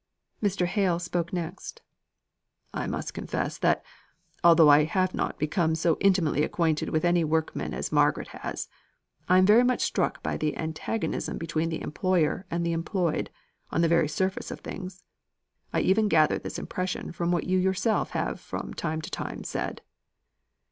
Mr. Hale spoke next: "I must confess that, although I have not become so intimately acquainted with any workmen as Margaret has, I am very much struck by the antagonism between the employer and the employed, on the very surface of things. I even gather this impression from what you yourself have from time to time said."